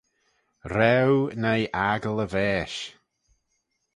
Raaue noi aggle y vaaish.